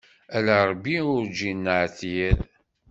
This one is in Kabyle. Ala Ṛebbi urǧin neɛtiṛ.